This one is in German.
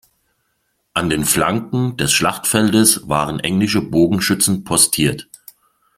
An den Flanken des Schlachtfeldes waren englische Bogenschützen postiert.